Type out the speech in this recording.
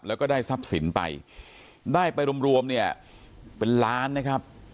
แล้วก็ได้ทรัพย์สินไปได้ไปรวมรวมเนี่ยเป็นล้านนะครับ